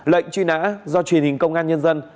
lệnh truy nã do truyền hình công an nhân dân